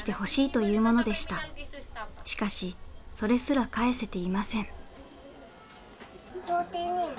しかしそれすら返せていません。